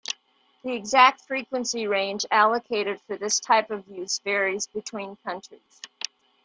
The exact frequency range allocated for this type of use varies between countries.